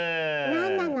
何なの？